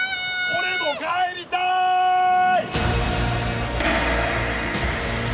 俺も帰りたい！